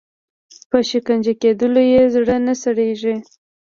په شکنجه کېدلو یې زړه نه سړیږي.